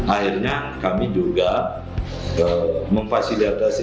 akhirnya kami juga memfasilitasi